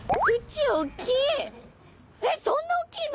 えっそんなおっきいの？